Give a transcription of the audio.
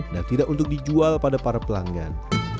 dan tidak untuk dijual pada para pelanggan